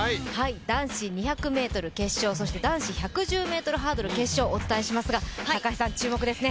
男子２００ｍ決勝、そして男子１１０ｍハードル決勝をお伝えしますが、注目ですね。